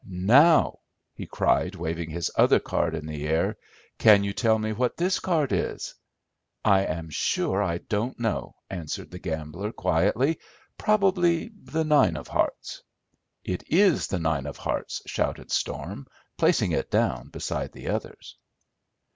Now," he cried, waving his other card in the air, "can you tell me what this card is?" "I am sure I don't know," answered the gambler, quietly, "probably the nine of hearts." "It is the nine of hearts," shouted Storm, placing it down beside the others.